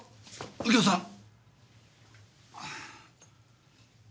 右京さん！